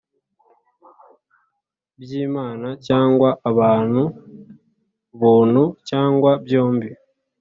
byimana cyangwa abantu buntu, cyangwa byombi,